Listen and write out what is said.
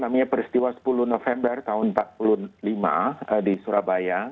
namanya peristiwa sepuluh november tahun seribu sembilan ratus empat puluh lima di surabaya